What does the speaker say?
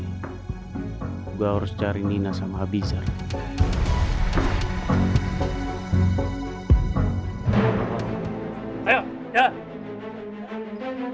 berarti nina udah pergi saat rumah itu kebakaran tapi pergi kemana ya pasti belum jauh dari sini